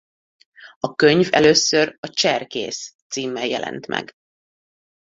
A könyv először A Cserkész címmel jelent meg.